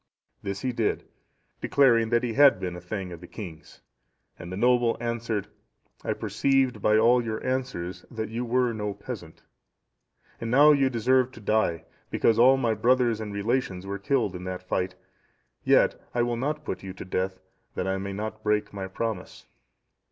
This he did, declaring that he had been a thegn of the king's, and the noble answered, "I perceived by all your answers that you were no peasant. And now you deserve to die, because all my brothers and relations were killed in that fight; yet I will not put you to death, that I may not break my promise."